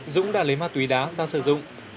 dũng đã lấy ma túy đá ra sử dụng